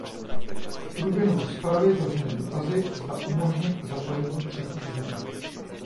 V průběhu rozpravy zazněly dotazy, zda umožnit zapojení třetích zemí.